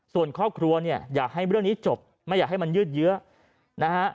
ส่วนครอบครัวเนี่ยอยากให้เรื่องนี้จบไม่อยากให้มันยืดเยอะนะฮะ